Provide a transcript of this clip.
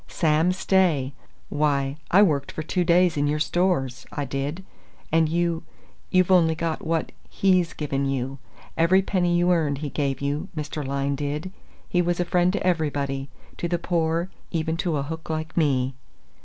Sam Stay why, I worked for two days in your Stores, I did. And you you've only got what he's given you. Every penny you earned he gave you, did Mr. Lyne. He was a friend to everybody to the poor, even to a hook like me."